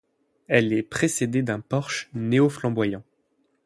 Elle est précédée d'un porche néo-flamboyant.